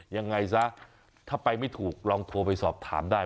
ยังไงซะถ้าไปไม่ถูกลองโทรไปสอบถามได้